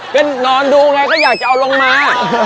ก็นอนดูไงก็อยากจะเอาลงมา